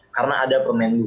karena ada permenggu